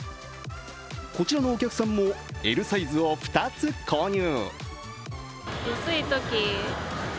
こちらのお客さんもＬサイズを２つ購入。